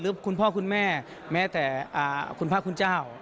คุณพ่อคุณแม่แม้แต่คุณพระคุณเจ้า